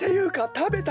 たべた。